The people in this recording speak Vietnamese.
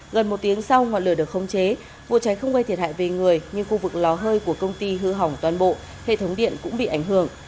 gần một tiếng sau ngọn lửa được không chế vụ cháy không gây thiệt hại về người nhưng khu vực lò hơi của công ty hư hỏng toàn bộ hệ thống điện cũng bị ảnh hưởng